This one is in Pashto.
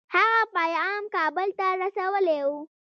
هغه پیغام کابل ته رسولی وو.